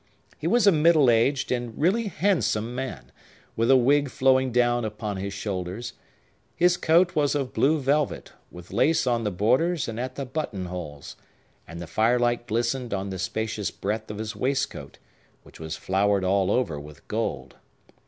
He was a middle aged and really handsome man, with a wig flowing down upon his shoulders; his coat was of blue velvet, with lace on the borders and at the button holes; and the firelight glistened on the spacious breadth of his waistcoat, which was flowered all over with gold.